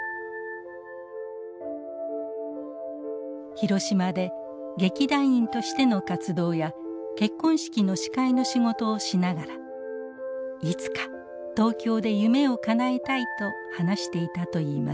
広島で劇団員としての活動や結婚式の司会の仕事をしながら「いつか東京で夢をかなえたい」と話していたといいます。